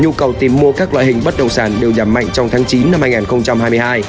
nhu cầu tìm mua các loại hình bất động sản đều giảm mạnh trong tháng chín năm hai nghìn hai mươi hai